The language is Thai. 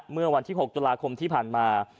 เมื่อวันที่๖ตุลาคมที่ผ่านมา